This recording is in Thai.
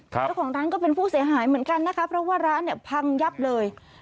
เจ้าของร้านก็เป็นผู้เสียหายเหมือนกันนะคะเพราะว่าร้านเนี่ยพังยับเลย